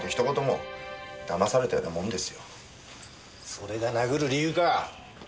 それが殴る理由か？